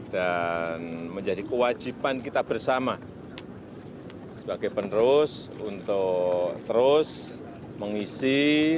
dan menjadi kewajiban kita bersama sebagai penerus untuk terus mengisi